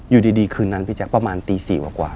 อยู่ดีคืนนั้นพี่แจ๊คประมาณตี๔กว่า